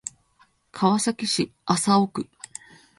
川崎市麻生区